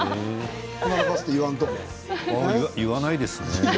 僕は言わないですね。